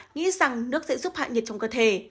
nghĩ rằng nước sẽ giúp hạ nhiệt trong cơ thể